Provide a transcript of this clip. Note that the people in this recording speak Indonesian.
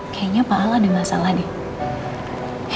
kayaknya pak ala ada masalah deh